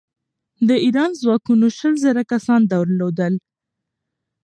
د ایران ځواکونو شل زره کسان درلودل.